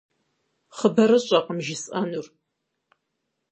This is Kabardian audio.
Хъыбарыщӏэкъым жысӏэнур.